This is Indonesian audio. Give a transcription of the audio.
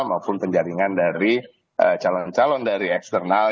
maupun penjaringan dari calon calon dari eksternal